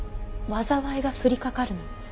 災いが降りかかるの。